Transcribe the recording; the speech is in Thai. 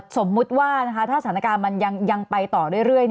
สมมุติว่าถ้าสถานการณ์มันยังไปต่อเรื่อย